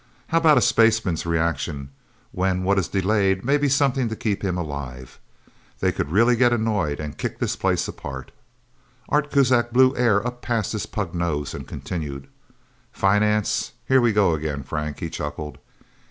How about a spaceman's reaction, when what is delayed may be something to keep him alive? They could get really annoyed, and kick this place apart." Art Kuzak blew air up past his pug nose, and continued. "Finance here we go again, Frank!" he chuckled.